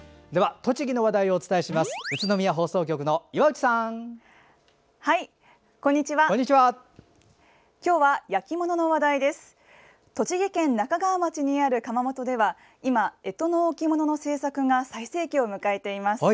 栃木県那珂川町にある窯元では今、えとの置物の制作が最盛期を迎えています。